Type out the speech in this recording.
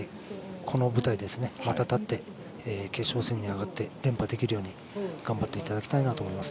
この舞台にまた立って、決勝戦に上がって連覇できるように頑張っていただきたいなと思います。